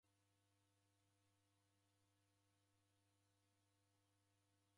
Kulima maghuw'a kwakunda ndoe mbaa.